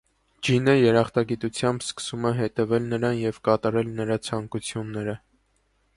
Ջինը երախտագիտությամբ սկսում է հետևել նրան և կատարել նրա ցանկությունները։